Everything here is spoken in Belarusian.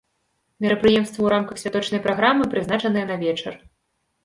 Мерапрыемствы ў рамках святочнай праграмы прызначаныя на вечар.